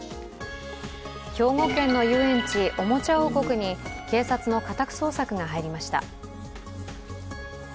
兵庫県の遊園地、おもちゃ王国に警察の家宅捜索が入りました。